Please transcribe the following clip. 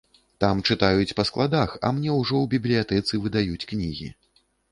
Там чытаюць па складах, а мне ўжо ў бібліятэцы выдаюць кнігі.